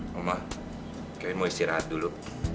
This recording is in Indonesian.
mama kayaknya mau istirahat dulu